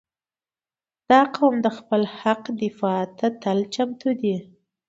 • دا قوم د خپل حق دفاع ته تل چمتو دی.